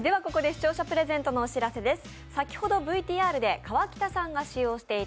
視聴者プレゼントのお知らせです。